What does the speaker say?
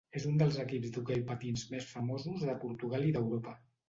És un dels equips d'hoquei patins més famosos de Portugal i d'Europa.